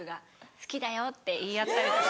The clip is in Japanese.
「好きだよ」って言い合ったりとか。